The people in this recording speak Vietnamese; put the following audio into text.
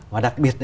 và đặc biệt